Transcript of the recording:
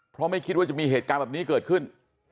เพราะไม่คิดว่าจะมีเหตุการณ์แบบนี้เกิดขึ้น